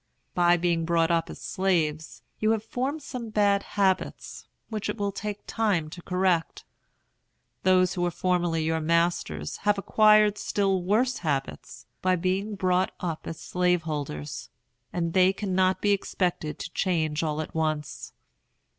By being brought up as slaves, you have formed some bad habits, which it will take time to correct. Those who were formerly your masters have acquired still worse habits by being brought up as slaveholders; and they cannot be expected to change all at once.